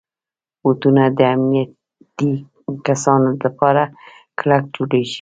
بوټونه د امنیتي کسانو لپاره کلک جوړېږي.